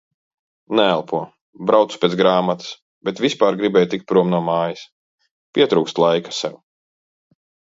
Neelpo. Braucu pēc grāmatas. Bet vispār gribēju tikt prom no mājas. Pietrūkst laika sev.